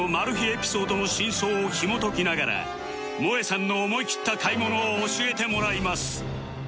エピソードの真相をひもときながらもえさんの思い切った買い物を教えてもらいます